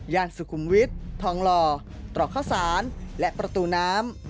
สุขุมวิทย์ทองหล่อตรอกข้าวสารและประตูน้ำ